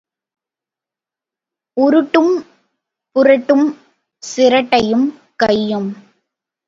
உருட்டும் புரட்டும் சிரட்டையும் கையும்.